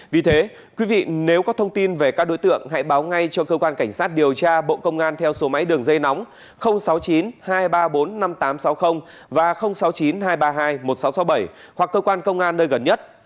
vì thế quý vị nếu có thông tin về các đối tượng hãy báo ngay cho cơ quan cảnh sát điều tra bộ công an theo số máy đường dây nóng sáu mươi chín hai trăm ba mươi bốn năm nghìn tám trăm sáu mươi và sáu mươi chín hai trăm ba mươi hai một nghìn sáu trăm sáu mươi bảy hoặc cơ quan công an nơi gần nhất